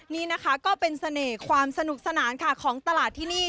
นี่นะคะก็เป็นเสน่ห์ความสนุกสนานค่ะของตลาดที่นี่